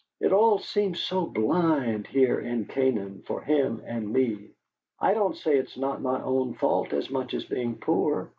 It all seems so BLIND, here in Canaan, for him and me! I don't say it's not my own fault as much as being poor.